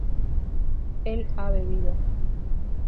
él ha bebido